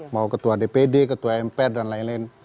mau ketua dpd ketua mpr dan lain lain